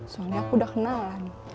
soalnya aku udah kenalan